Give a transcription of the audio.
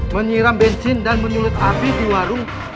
menyiram bensin dan menyulut api di warung